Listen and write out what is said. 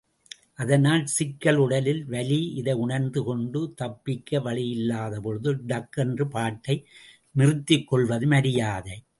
அதனால் சிக்கல், உடலில் வலி, இதை உணர்ந்து கொண்டு, தப்பிக்க வழியில்லாதபொழுது, டக்கென்று பாட்டை நிறுத்திக்கொள்வது மரியாதை.